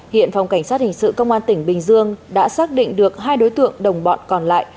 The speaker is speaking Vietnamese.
hiện phòng cảnh sát hình sự công an tỉnh bình dương đã xác định được hai đối tượng đồng bọn còn lại